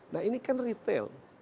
nah ini kan retail